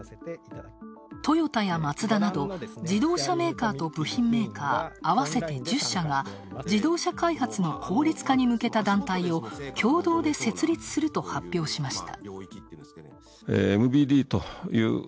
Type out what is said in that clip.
トヨタやマツダなど自動車メーカーと部品メーカー合わせて１０社が自動車開発の効率化に向けた団体を共同で設立すると発表しました。